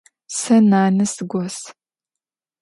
Se nane sıgos.